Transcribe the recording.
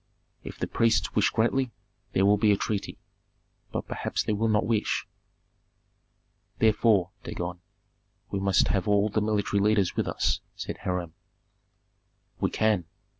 "If the priests wish greatly, there will be a treaty. But perhaps they will not wish." "Therefore, Dagon, we must have all the military leaders with us," said Hiram. "We can."